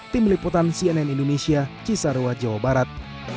tim liputan cnn indonesia cisarua jawa barat